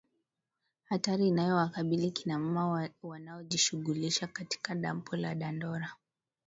Hatari inayowakabili kina mama wanaojishughulisha katika dampo la Dandora